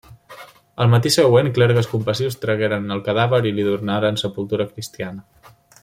El matí següent clergues compassius tragueren el cadàver i li donaren sepultura cristiana.